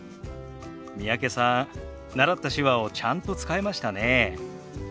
三宅さん習った手話をちゃんと使えましたね。